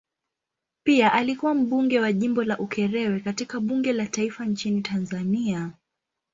Pia alikuwa mbunge wa jimbo la Ukerewe katika bunge la taifa nchini Tanzania.